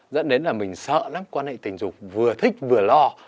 dẫn đến là mình sợ lắm quan hệ tình dục vừa thích vừa lo